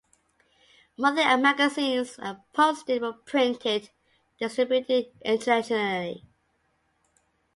Monthly magazines and posters were printed and distributed internationally.